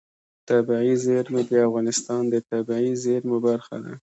طبیعي زیرمې د افغانستان د طبیعي زیرمو برخه ده.